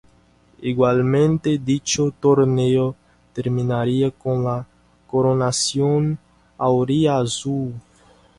Igualmente dicho torneo terminaría con la coronación auriazul.